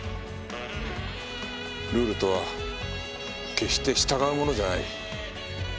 ルールとは決して従うものじゃない。